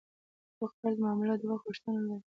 په قرض معامله د وخت غوښتنه لري.